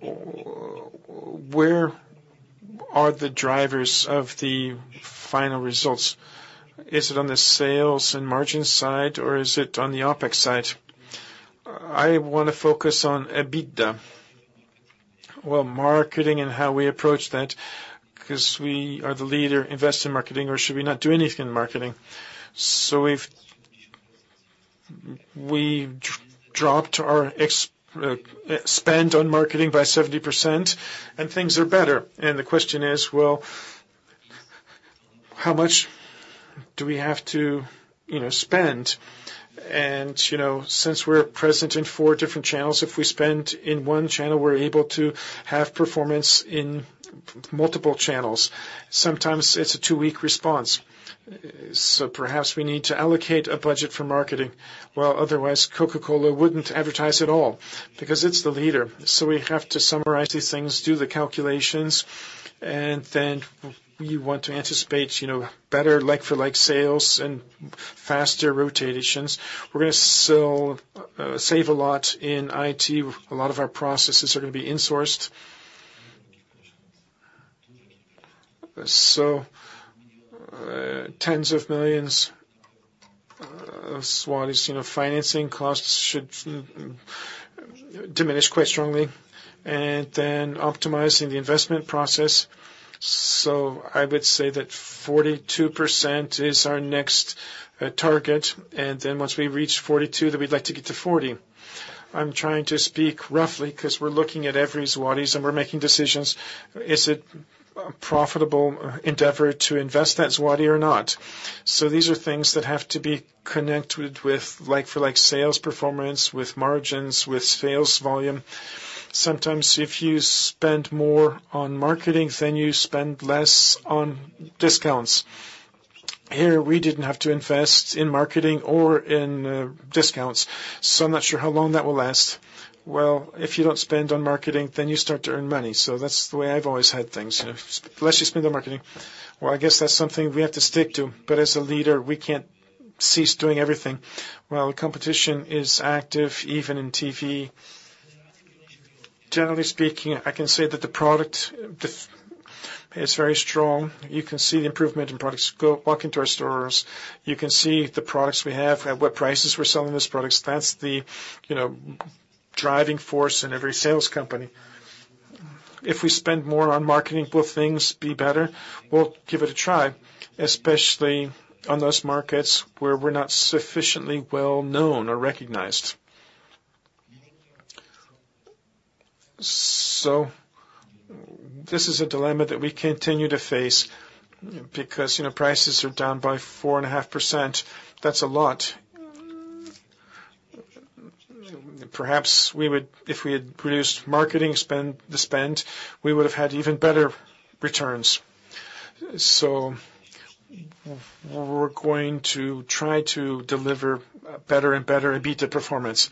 where are the drivers of the final results? Is it on the sales and margin side, or is it on the OPEX side? I want to focus on EBITDA. Well, marketing and how we approach that because we are the leader. Invest in marketing, or should we not do anything in marketing? So we've dropped our spend on marketing by 70%, and things are better. And the question is, well, how much do we have to, you know, spend? And, you know, since we're present in four different channels, if we spend in one channel, we're able to have performance in multiple channels. Sometimes, it's a two-week response. So perhaps we need to allocate a budget for marketing. Well, otherwise, Coca-Cola wouldn't advertise at all because it's the leader. So we have to summarize these things, do the calculations. And then you want to anticipate, you know, better like-for-like sales and faster rotations. We're going to save a lot in IT. A lot of our processes are going to be insourced. So tens of millions of zlotys, you know, financing costs should diminish quite strongly. Then optimizing the investment process. So I would say that 42% is our next target. And then once we reach 42, then we'd like to get to 40. I'm trying to speak roughly because we're looking at every zloty, and we're making decisions. Is it a profitable endeavor to invest that zloty or not? So these are things that have to be connected with like-for-like sales performance, with margins, with sales volume. Sometimes, if you spend more on marketing, then you spend less on discounts. Here, we didn't have to invest in marketing or in discounts. So I'm not sure how long that will last. Well, if you don't spend on marketing, then you start to earn money. So that's the way I've always had things, you know, unless you spend on marketing. Well, I guess that's something we have to stick to. But as a leader, we can't cease doing everything. Well, the competition is active even in TV. Generally speaking, I can say that the product is very strong. You can see the improvement in products. Walk into our stores, you can see the products we have, at what prices we're selling those products. That's the, you know, driving force in every sales company. If we spend more on marketing, will things be better? We'll give it a try, especially on those markets where we're not sufficiently well-known or recognized. So this is a dilemma that we continue to face because, you know, prices are down by 4.5%. That's a lot. Perhaps we would, if we had produced marketing, spent the spend, we would have had even better returns. So we're going to try to deliver better and better EBITDA performance.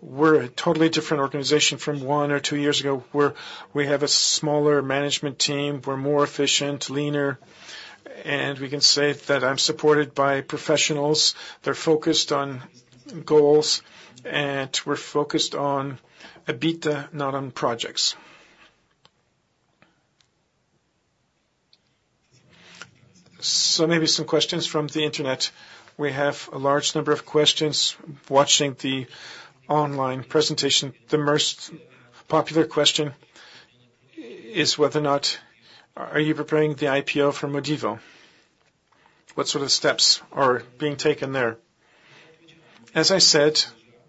We're a totally different organization from one or two years ago. We have a smaller management team. We're more efficient, leaner. And we can say that I'm supported by professionals. They're focused on goals. And we're focused on EBITDA, not on projects. So maybe some questions from the internet. We have a large number of questions watching the online presentation. The most popular question is whether or not are you preparing the IPO for Modivo? What sort of steps are being taken there? As I said,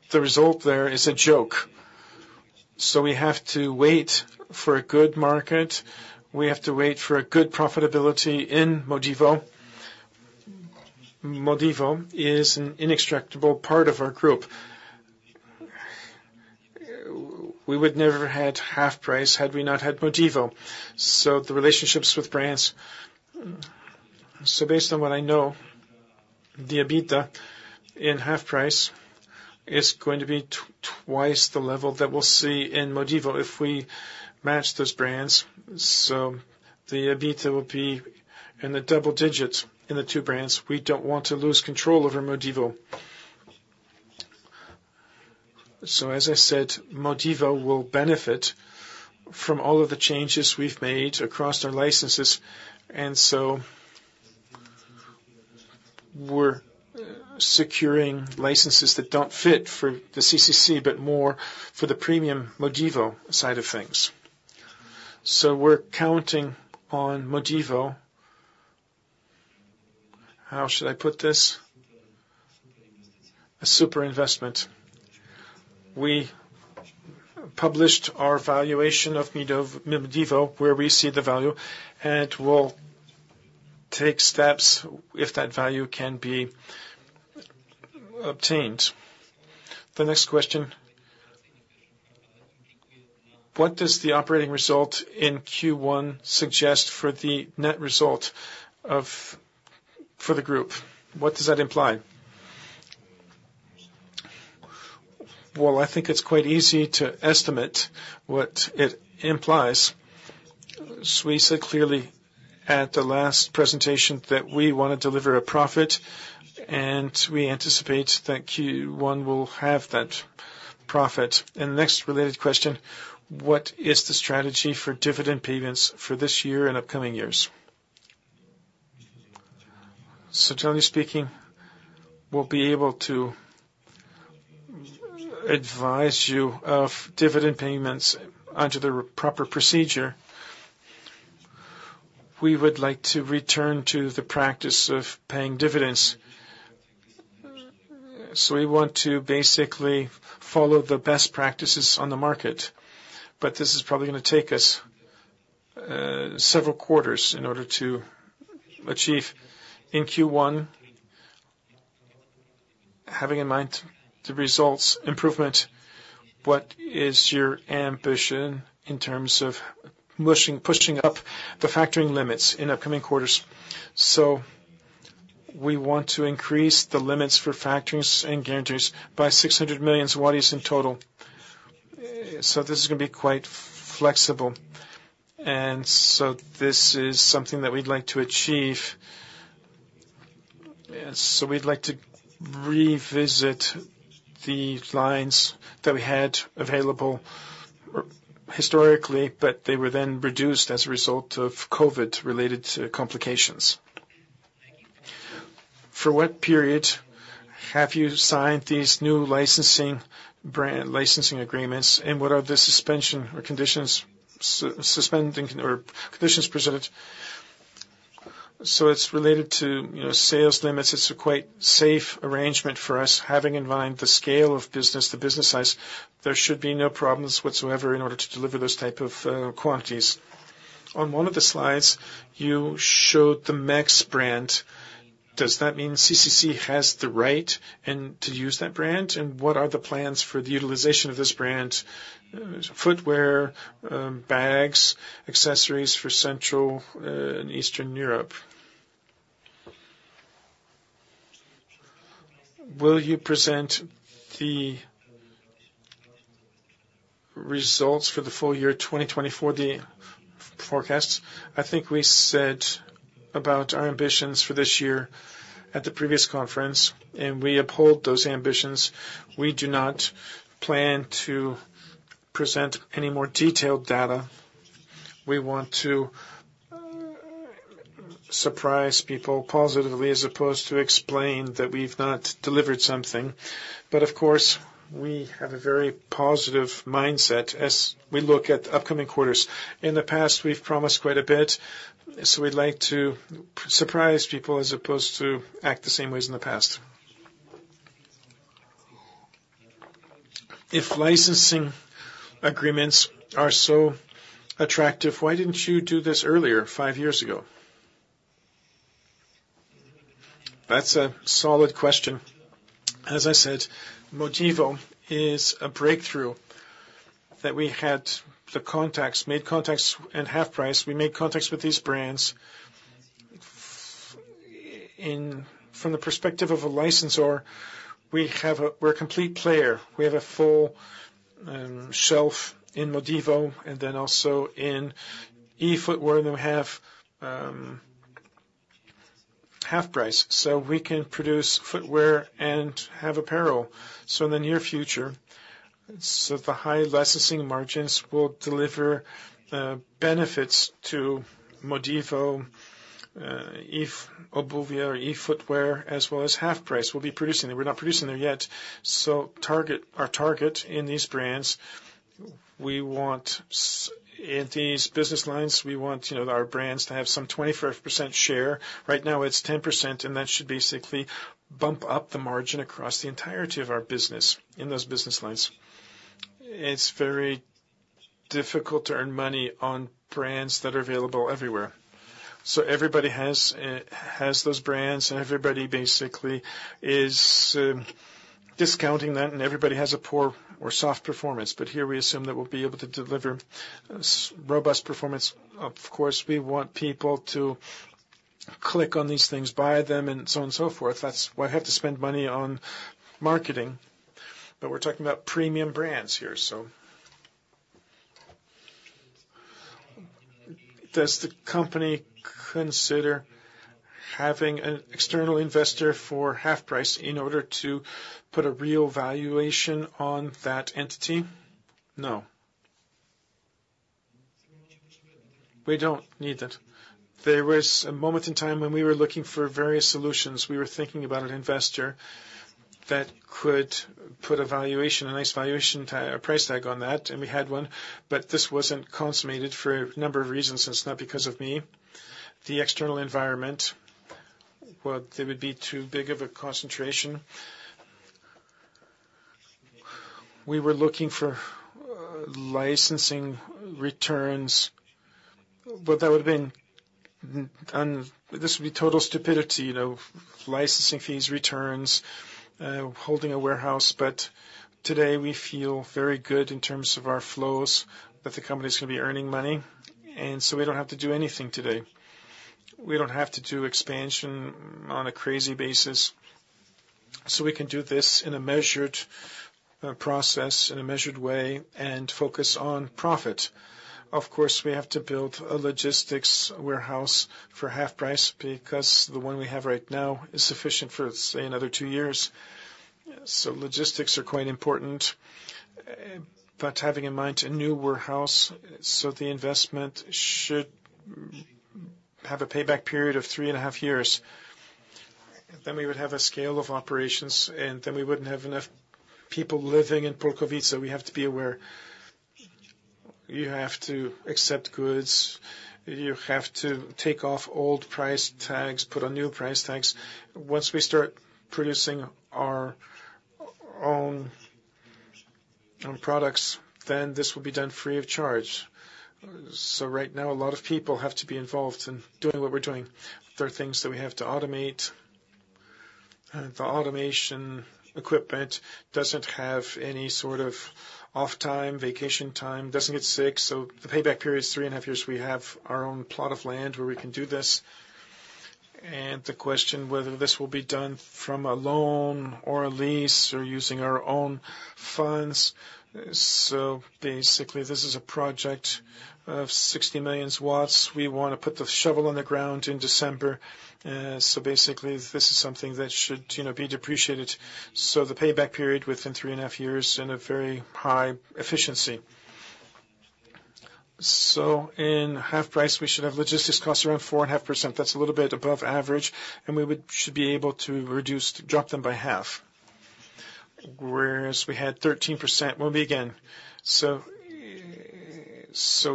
the result there is a joke. So we have to wait for a good market. We have to wait for a good profitability in Modivo. Modivo is an inextricable part of our group. We would never have HalfPrice had we not had Modivo. So the relationships with brands. So based on what I know, the EBITDA in HalfPrice is going to be twice the level that we'll see in Modivo if we match those brands. So the EBITDA will be in the double digits in the two brands. We don't want to lose control over Modivo. So as I said, Modivo will benefit from all of the changes we've made across our licenses. And so we're securing licenses that don't fit for the CCC but more for the premium Modivo side of things. So we're counting on Modivo. How should I put this? A super investment. We published our valuation of Modivo, where we see the value. And we'll take steps if that value can be obtained. The next question. What does the operating result in Q1 suggest for the net result for the group? What does that imply? Well, I think it's quite easy to estimate what it implies. So we said clearly at the last presentation that we want to deliver a profit, and we anticipate that Q1 will have that profit. And the next related question. What is the strategy for dividend payments for this year and upcoming years? So generally speaking, we'll be able to advise you of dividend payments under the proper procedure. We would like to return to the practice of paying dividends. So we want to basically follow the best practices on the market. But this is probably going to take us several quarters in order to achieve in Q1, having in mind the results, improvement. What is your ambition in terms of pushing up the factoring limits in upcoming quarters? So we want to increase the limits for factorings and guarantees by 600 million in total. So this is going to be quite flexible. This is something that we'd like to achieve. We'd like to revisit the lines that we had available historically, but they were then reduced as a result of COVID-related complications. For what period have you signed these new licensing agreements, and what are the suspension or conditions presented? So it's related to, you know, sales limits. It's a quite safe arrangement for us. Having in mind the scale of business, the business size, there should be no problems whatsoever in order to deliver those types of quantities. On one of the slides, you showed the Mexx brand. Does that mean CCC has the right to use that brand? And what are the plans for the utilization of this brand? Footwear, bags, accessories for Central and Eastern Europe. Will you present the results for the full year 2024, the forecasts? I think we said about our ambitions for this year at the previous conference, and we uphold those ambitions. We do not plan to present any more detailed data. We want to surprise people positively as opposed to explain that we've not delivered something. But, of course, we have a very positive mindset as we look at upcoming quarters. In the past, we've promised quite a bit. We'd like to surprise people as opposed to act the same ways in the past. If licensing agreements are so attractive, why didn't you do this earlier, five years ago? That's a solid question. As I said, Modivo is a breakthrough that we had the contacts, made contacts in HalfPrice. We made contacts with these brands. From the perspective of a licensor, we're a complete player. We have a full shelf in Modivo and then also in Eobuwie, and we have HalfPrice. So we can produce footwear and have apparel. In the near future, the high licensing margins will deliver benefits to Modivo, Eobuwie, or eFootwear, as well as HalfPrice. We'll be producing there. We're not producing there yet. Our target in these brands, we want in these business lines, we want, you know, our brands to have some 25% share. Right now, it's 10%, and that should basically bump up the margin across the entirety of our business in those business lines. It's very difficult to earn money on brands that are available everywhere. Everybody has those brands, and everybody basically is discounting that, and everybody has a poor or soft performance. But here, we assume that we'll be able to deliver robust performance. Of course, we want people to click on these things, buy them, and so on and so forth. That's why we have to spend money on marketing. But we're talking about premium brands here, so. Does the company consider having an external investor for HalfPrice in order to put a real valuation on that entity? No. We don't need that. There was a moment in time when we were looking for various solutions. We were thinking about an investor that could put a valuation, a nice valuation price tag on that, and we had one. But this wasn't consummated for a number of reasons, and it's not because of me. The external environment, well, there would be too big of a concentration. We were looking for licensing returns. Well, that would have been this would be total stupidity, you know, licensing fees, returns, holding a warehouse. But today, we feel very good in terms of our flows, that the company is going to be earning money. We don't have to do anything today. We don't have to do expansion on a crazy basis. We can do this in a measured process, in a measured way, and focus on profit. Of course, we have to build a logistics warehouse for HalfPrice because the one we have right now is sufficient for, say, another two years. Logistics are quite important. But having in mind a new warehouse, so the investment should have a payback period of three and half years. Then we would have a scale of operations, and then we wouldn't have enough people living in Polkowice. We have to be aware. You have to accept goods. You have to take off old price tags, put on new price tags. Once we start producing our own products, then this will be done free of charge. So right now, a lot of people have to be involved in doing what we're doing. There are things that we have to automate. The automation equipment doesn't have any sort of off-time, vacation time. It doesn't get sick. So the payback period is three and half years. We have our own plot of land where we can do this. The question whether this will be done from a loan or a lease or using our own funds. So basically, this is a project of 60 million. We want to put the shovel on the ground in December. So basically, this is something that should, you know, be depreciated. So the payback period within three and half years and a very high efficiency. So in HalfPrice, we should have logistics costs around 4.5%. That's a little bit above average, and we should be able to reduce, drop them by half. Whereas we had 13%, we'll be again. So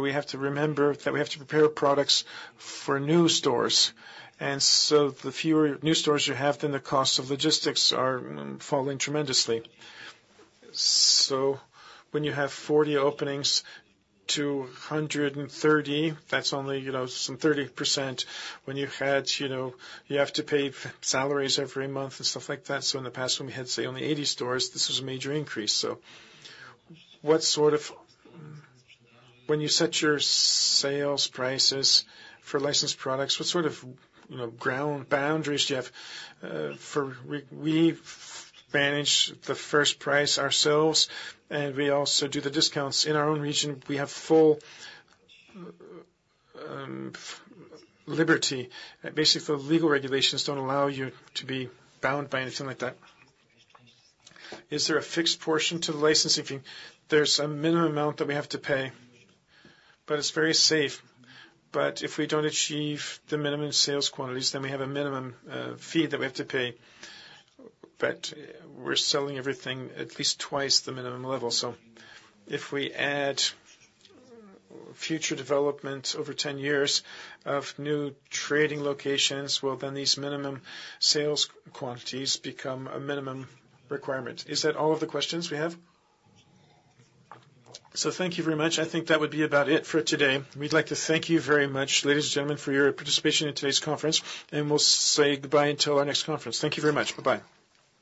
we have to remember that we have to prepare products for new stores. And so the fewer new stores you have, then the costs of logistics are falling tremendously. So when you have 40 openings, 230, that's only, you know, some 30%. When you had, you know, you have to pay salaries every month and stuff like that. So in the past, when we had, say, only 80 stores, this was a major increase, so. What sort of when you set your sales prices for licensed products, what sort of, you know, ground boundaries do you have? We manage the first price ourselves, and we also do the discounts. In our own region, we have full liberty. Basically, the legal regulations don't allow you to be bound by anything like that. Is there a fixed portion to the licensing fee? There's a minimum amount that we have to pay, but it's very safe. If we don't achieve the minimum sales quantities, then we have a minimum fee that we have to pay. We're selling everything at least twice the minimum level, so if we add future development over 10 years of new trading locations, well, then these minimum sales quantities become a minimum requirement. Is that all of the questions we have? Thank you very much. I think that would be about it for today. We'd like to thank you very much, ladies and gentlemen, for your participation in today's conference. We'll say goodbye until our next conference. Thank you very much. Bye-bye.